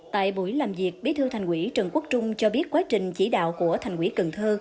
tại buổi làm việc bí thư thành ủy trần quốc trung cho biết quá trình chỉ đạo của thành quỹ cần thơ